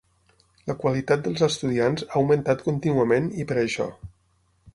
La qualitat dels estudiants ha augmentat contínuament i per això.